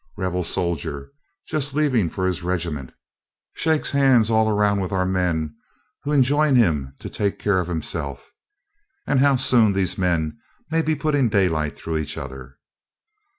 Rebel soldier, just leaving for his regiment, shakes hands all round with our men, who enjoin him to take care of himself. And how soon these men may be putting daylight through each other!